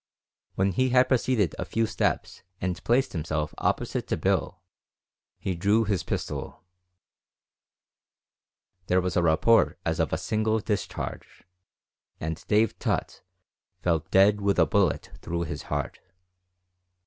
When he had proceeded a few steps and placed himself opposite to Bill, he drew his pistol; there was a report as of a single discharge, and Dave Tutt fell dead with a bullet through his heart.